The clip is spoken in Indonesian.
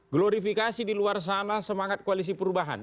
glorifikasi di luar sana semangat koalisi perubahan